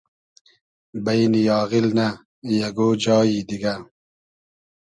بݷن آغیل نۂ ! یئگۉ جایی دیگۂ